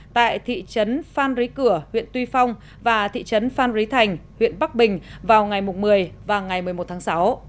tại thị trấn phan rí cửa huyện tuy phong và thị trấn phan rí thành huyện bắc bình vào ngày một mươi và ngày một mươi một tháng sáu